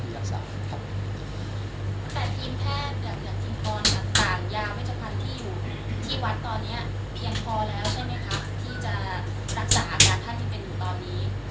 ที่จะรักษาอาการท่านยังเป็นอยู่ตอนนี้